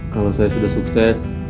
kalau saya sudah sukses